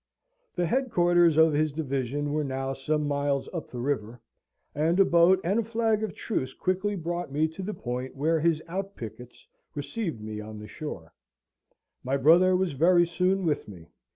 The headquarters of his division were now some miles up the river, and a boat and a flag of truce quickly brought me to the point where his out pickets received me on the shore. My brother was very soon with me.